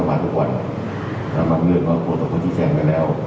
แล้วบางเรื่องก็โฆษโครชุแสงกันแล้ว